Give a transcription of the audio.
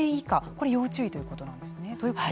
これ要注意ということなんですね。